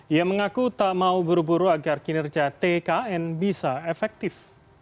ia mengaku tak mau buru buru agar kinerja tkn bisa efektif